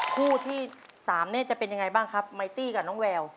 คู่ที่๓เนี่ยจะเป็นยังไงบ้างครับไมตี้กับน้องแวว